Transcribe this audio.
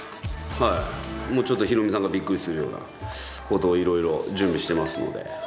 もうちょっとヒロミさんがびっくりするようなことを、いろいろ準備してますので。